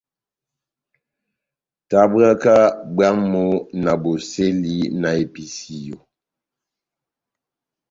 Tamwaka bwámu na bosɛli na episiyo.